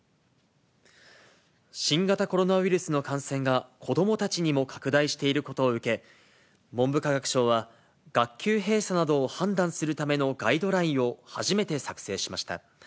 新型コロナウイルスの感染が子どもたちにも拡大していることを受け、文部科学省は、学級閉鎖などを判断するためのガイドラインを初めて作成しました。